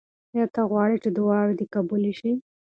آیا ته غواړې چې دعاوې دې قبولې شي؟